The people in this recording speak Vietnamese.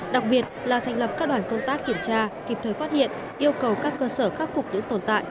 đặc biệt là thành lập các đoàn công tác kiểm tra kịp thời phát hiện yêu cầu các cơ sở khắc phục những tồn tại